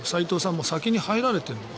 もう先に入られてるのかな？